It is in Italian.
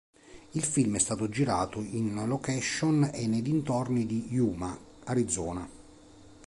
Il film è stato girato in location e nei dintorni di Yuma, Arizona.